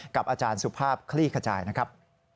กับอาจารย์สุภาพคลี่ขจายนะครับ